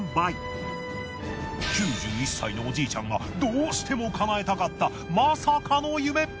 ９１歳のおじいちゃんがどうしても叶えたかったまさかの夢！